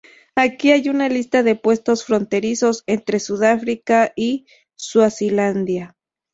Aquí hay una lista de puestos fronterizos entre Sudáfrica y Suazilandia.